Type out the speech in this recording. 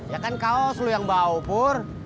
ya kan kaos lu yang bau bur